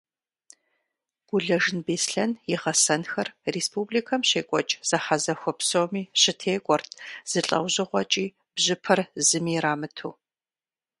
Гулэжын Беслъэн и гъэсэнхэр республикэм щекӏуэкӏ зэхьэзэхуэ псоми щытекӏуэрт, зы лӏэужьыгъуэкӏи бжьыпэр зыми ирамыту.